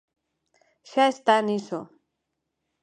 Xa está niso.